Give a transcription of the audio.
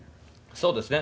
そうですね。